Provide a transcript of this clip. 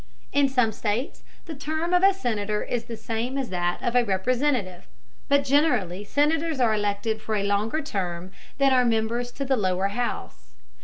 In some states the term of a senator is the same as that of a representative, but generally senators are elected for a longer term than are members to the lower house.